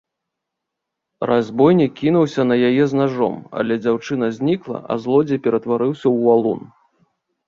Разбойнік кінуўся на яе з нажом, але дзяўчына знікла, а злодзей ператварыўся ў валун.